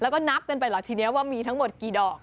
แล้วก็นับกันไปเหรอทีนี้ว่ามีทั้งหมดกี่ดอก